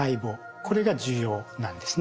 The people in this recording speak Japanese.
これが重要なんですね。